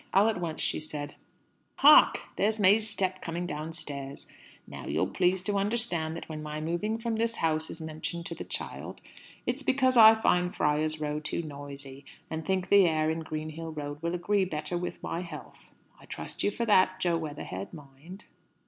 All at once she said "Hark! There's May's step coming downstairs. Now you'll please to understand that when my moving from this house is mentioned to the child, it's because I find Friar's Row too noisy, and think the air in Greenhill Road will agree better with my health. I trust you for that, Jo Weatherhead, mind!"